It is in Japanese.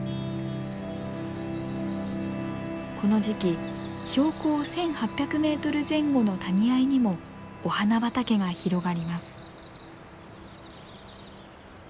この時期標高１，８００メートル前後の谷あいにもお花畑が広がります。